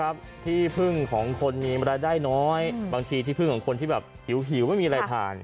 บางทีที่พึ่งของคนที่แบบหิวหิวไม่มีอะไรทาน